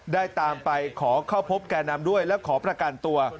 ได้ตามไปขอเข้าพบแก่นำด้วยและขอประกันตัว